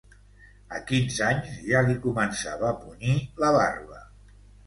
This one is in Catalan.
A quinze anys ja li començava a punyir la barba.